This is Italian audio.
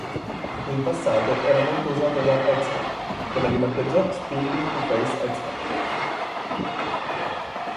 In passato era molto usata da X-Pac, che la ribattezzò "Spinning to face X-Pac"